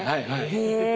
へえ。